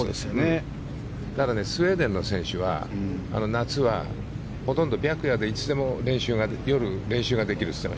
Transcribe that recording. だから、スウェーデンの選手は夏はほとんど白夜でいつでも練習が夜、練習ができるって